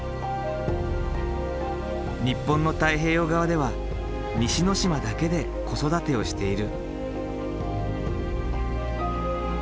日本の太平洋側では西之島だけで子育てをしている。